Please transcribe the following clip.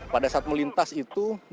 pada saat melintas itu